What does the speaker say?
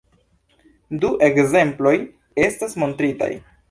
Du ekzemploj estas montritaj.